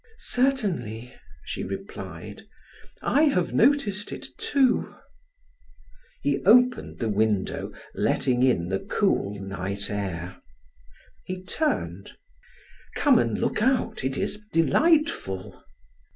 "Certainly," she replied; "I have noticed it too." He opened the window, letting in the cool night air. He turned: "Come and look out, it is delightful."